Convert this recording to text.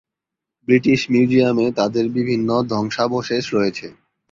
British মিউজিয়ামে তাদের বিভিন্ন ধ্বংসাবশেষ রয়েছে।